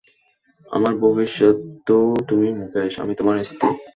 আমার ভবিষ্যত তো তুমি মুকেশ, আমি তোমার স্ত্রী।